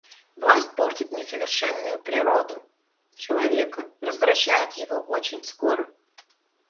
Власть портит несовершенную природу человека, развращает его очень скоро.